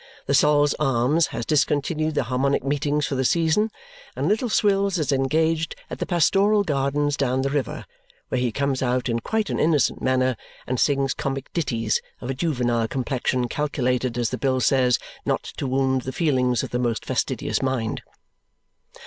The Sol's Arms has discontinued the Harmonic Meetings for the season, and Little Swills is engaged at the Pastoral Gardens down the river, where he comes out in quite an innocent manner and sings comic ditties of a juvenile complexion calculated (as the bill says) not to wound the feelings of the most fastidious mind.